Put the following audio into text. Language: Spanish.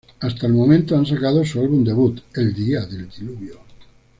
Hasta el momento han sacado su álbum debut: El Día del Diluvio.